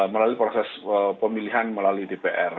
melalui proses pemilihan melalui dpr